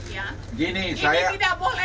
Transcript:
saya mau bicara sama beliau